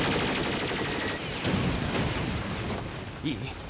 いい？